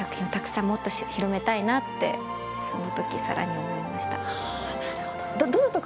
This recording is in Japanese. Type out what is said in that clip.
ってその時さらに思いました。